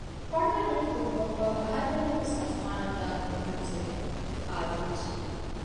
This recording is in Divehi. ފަނަރަ މިނެޓު ދުއްވުމަށްފަހު އަހަރެމެންނަށް މަސްބާނަން ދާން އޮތް މަންޒިލަށް އާދެވިއްޖެ